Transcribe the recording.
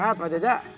sehat pak jajak